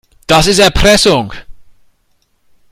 Das ist Erpressung.